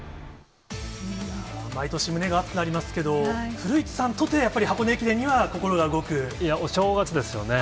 毎年、胸が熱くなりますけど、古市さんとて、いや、お正月ですよね。